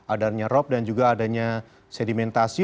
adanya rop dan juga adanya sedimentasi